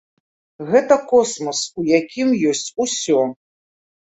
Гэта космас, у якім ёсць усё!